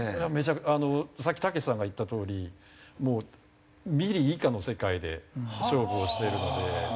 あのさっきたけしさんが言ったとおりもうミリ以下の世界で勝負をしてるので。